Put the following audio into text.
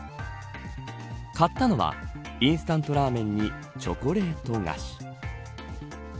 買ったのはインスタントラーメンにチョコレート菓子。